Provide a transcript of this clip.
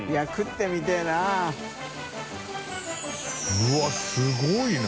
うわっすごいな。